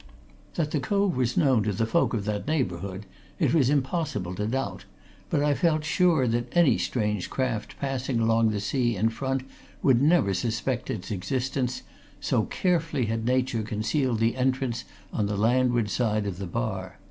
That the cove was known to the folk of that neighbourhood it was impossible to doubt, but I felt sure that any strange craft passing along the sea in front would never suspect its existence, so carefully had Nature concealed the entrance on the landward side of the bar.